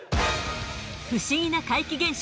不思議な怪奇現象